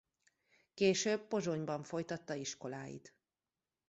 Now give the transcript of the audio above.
Később Pozsonyban folytatta iskoláit.